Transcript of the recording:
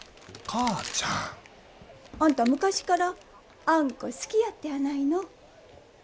お母ちゃん！あんた昔からあんこ好きやったやないの。